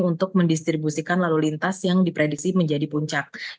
untuk mendistribusikan lalu lintas yang diprediksi menjadi puncak